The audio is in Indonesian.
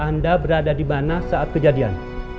anda berada dimana saat kejadian